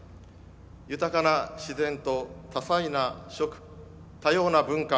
豊かな自然と多彩な食多様な文化